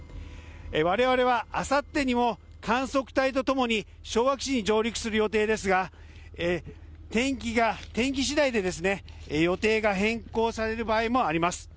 われわれは、あさってにも観測隊とともに昭和基地に上陸する予定ですが天気次第でですね予定が変更される場合もあります。